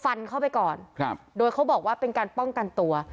เข้าไปก่อนครับโดยเขาบอกว่าเป็นการป้องกันตัว